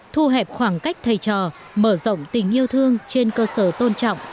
thu hẹp khoảng cách thầy trò mở rộng tình yêu thương trên cơ sở tôn trọng